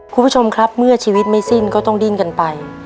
คุณผู้ชมครับเมื่อชีวิตไม่สิ้นก็ต้องดิ้นกันไป